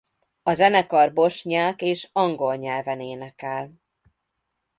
A zenekar bosnyák és angol nyelven énekel.